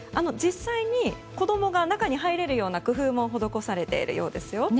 実際に子供が中に入れるような工夫もほどこされているようですよ。